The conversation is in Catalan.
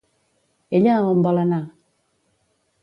Ella a on vol anar?